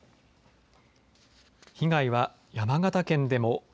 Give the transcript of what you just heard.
被害は山形県でも。